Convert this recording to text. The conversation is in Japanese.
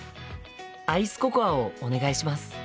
アイスココアをお願いします。